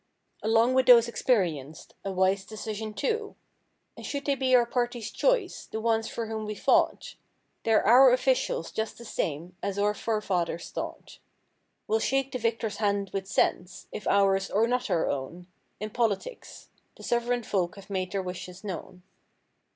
Along with those experienced (a wise decision too). And should they be our party's choice—the ones for whom we fought— They're our officials just the same, as our fore¬ fathers taught. We'll shake the victor's hand with sense, if ours or not our own In politics. The sovereign folk have made their wishes known.